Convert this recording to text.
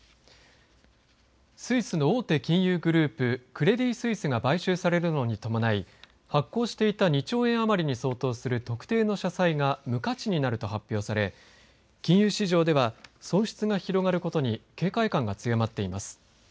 スイスの大手金融グループクレディ・スイスが買収されるのに伴い発行していた２兆円余りに相当する特定の社債が無価値になると発表され金融市場では損失が広がることに警戒感が強まっています。